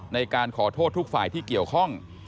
ในการขอโทษทุกฝ่ายที่เกี่ยวข้อง